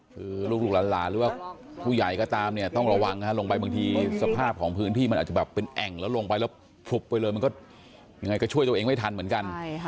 คือลูกหลานหรือว่าผู้ใหญ่ก็ตามเนี่ยต้องระวังลงไปบางทีสภาพของพื้นที่มันอาจจะแบบเป็นแอ่งแล้วลงไปแล้วพลุบไปเลยมันก็ยังไงก็ช่วยตัวเองไม่ทันเหมือนกัน